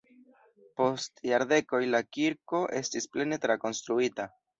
Post jardekoj la kirko estis plene trakonstruita.